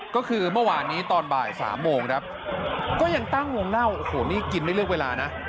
ก็คือเมื่อวานนี้ตอนบ่ายสามโมงครับก็ยังตั้งวงเล่าโอ้โหนี่กินไม่เลือกเวลานะ